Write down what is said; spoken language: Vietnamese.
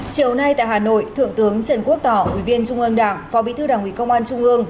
chiều nay tại hà nội thượng tướng trần quốc tỏ ủy viên trung ương đảng phó bí thư đảng ủy công an trung ương